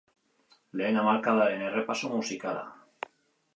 Lehen hamarkadaren errepaso musikala!